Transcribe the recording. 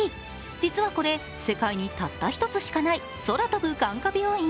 実はこれ、世界にたった１つしかない空飛ぶ眼科病院。